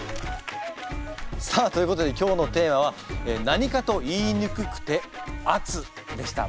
さあということで今日のテーマは「何かと言いにくくて圧」でした。